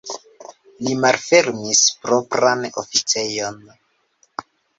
Li malfermis propran oficejon.